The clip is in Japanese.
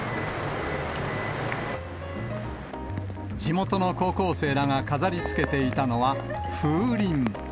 地元の高校生らが飾りつけていたのは風鈴。